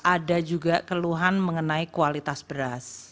ada juga keluhan mengenai kualitas beras